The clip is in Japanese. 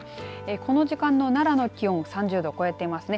この時間の奈良の気温３０度超えていますね。